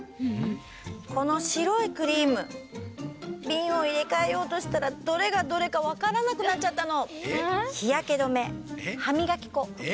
このしろいクリームビンをいれかえようとしたらどれがどれかわからなくなっちゃったの。